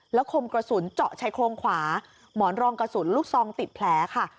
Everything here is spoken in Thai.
แล้วคมกระสุนเจาะชายโครงขวาหมอนรองกระสุนลูกซองติดแผลค่ะ